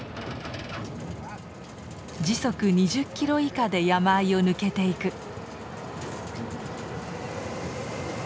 時速２０キロ以下で山あいを抜けていく。